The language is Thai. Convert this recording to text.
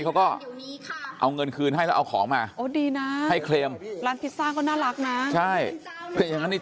คอนโดนะคุณสุชาดาก็ไปคุยด้วยนะครับนี่อ่ะเดี๋ยวลองฟังดู